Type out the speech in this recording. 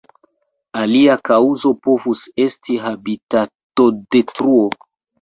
Alia kaŭzo povus esti habitatodetruo.